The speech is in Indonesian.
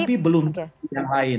tapi belum yang lain